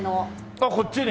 あっこっちに？